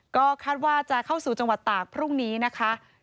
ก็คาดว่าจะเข้าสู่จังหวัดตากพรุ่งนี้นะคะ